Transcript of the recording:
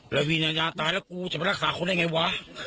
แล้ววิญญาตายแล้วกูจะมารักษาคนได้ไงวะ